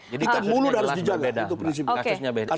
jadi kasusnya jelas berbeda